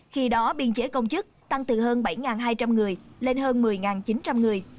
khi đó biên chế công chức tăng từ hơn bảy hai trăm linh người lên hơn một mươi chín trăm linh người